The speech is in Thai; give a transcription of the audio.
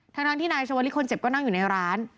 ทั้งที่นายชาวลิศคนเจ็บก็นั่งอยู่ในร้าน